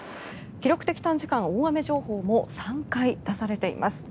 記録的短時間大雨情報も３回出されています。